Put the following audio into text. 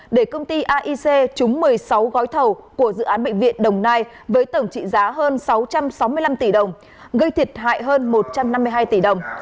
để công ty aic trúng một mươi sáu gói thầu của dự án bệnh viện đồng nai với tổng trị giá hơn sáu trăm sáu mươi năm tỷ đồng gây thiệt hại hơn một trăm năm mươi hai tỷ đồng